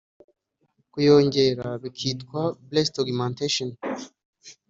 kuyongera bikitwa Breast Augmentation